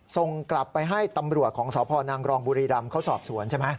ส่งกลับไปให้ตำรวจของสพนางรองบุรีรำเขาสอบสวนใช่ไหม